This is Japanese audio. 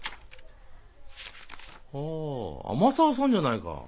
あぁ天沢さんじゃないか。